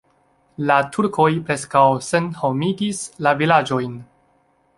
La turkoj preskaŭ senhomigis la vilaĝojn.